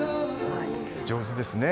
上手ですね。